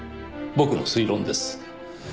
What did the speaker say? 僕の推論です。